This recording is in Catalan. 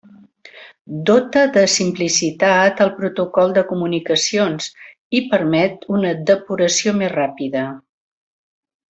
Dota de simplicitat al protocol de comunicacions i permet una depuració més ràpida.